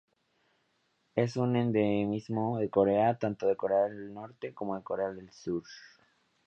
Es un endemismo de Corea, tanto Corea del Norte como de Corea del Sur.